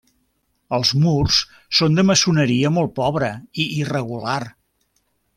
Els murs són de maçoneria molt pobre i irregular.